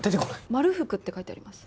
まるふくって書いてあります。